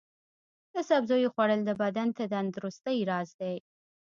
د سبزیو خوړل د بدن د تندرستۍ راز دی.